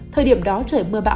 thời điểm đó trời mưa bão